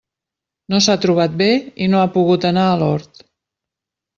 No s'ha trobat bé i no ha pogut anar a l'hort.